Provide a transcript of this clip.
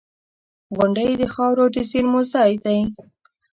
• غونډۍ د خاورو د زېرمو ځای دی.